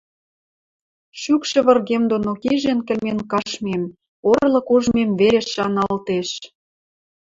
Шӱкшӹ выргем доно кижен-кӹлмен каштмем, орлык ужмем веле шаналтеш...